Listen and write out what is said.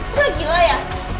udah gila ya